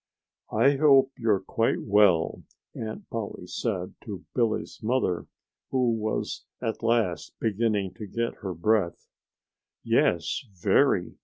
"I hope you're quite well," Aunt Polly said to Billy's mother, who was at last beginning to get her breath. "Yes very!"